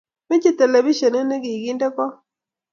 Mache telepishen nikikinde kot.